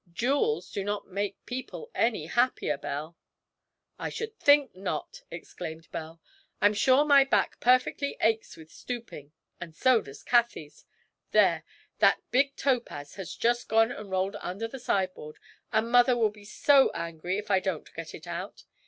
Jewels do not make people any happier, Belle!' 'I should think not!' exclaimed Belle. 'I'm sure my back perfectly aches with stooping, and so does Cathie's. There! that big topaz has just gone and rolled under the sideboard, and mother will be so angry if I don't get it out!